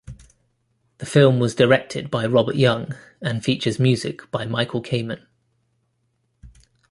The film was directed by Robert Young, and features music by Michael Kamen.